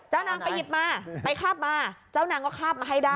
นางไปหยิบมาไปคาบมาเจ้านางก็คาบมาให้ได้